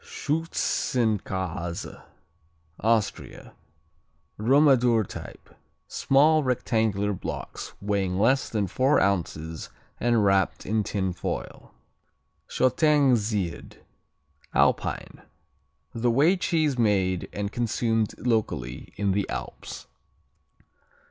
Schützenkäse Austria Romadur type. Small rectangular blocks weighing less than four ounces and wrapped in tin foil. Shottengsied Alpine A whey cheese made and consumed locally in the Alps.